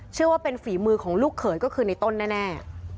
เชื่อว่าเป็นฝีมือของลูกเขยก็คือในต้นแน่